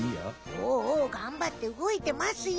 おおおおがんばってうごいてますよ。